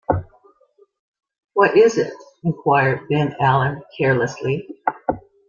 ‘What is it?’ inquired Ben Allen carelessly.